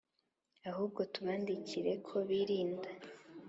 Ahubwo tubandikire ko birinda